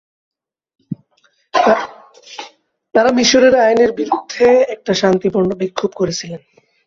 তারা মিশরের আইনের বিরুদ্ধে একটি শান্তিপূর্ণ বিক্ষোভ করছিলেন।